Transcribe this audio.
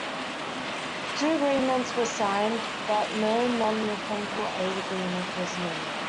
Two agreements were signed, but no non-refundable aid agreement was made.